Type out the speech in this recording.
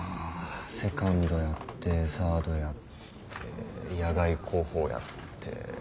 セカンドやってサードやって野外航法やって。